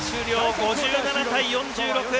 ５７対４６。